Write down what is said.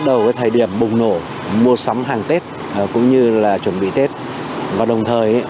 đầu với thời điểm bùng nổ mua sắm hàng tết cũng như là chuẩn bị tết và đồng thời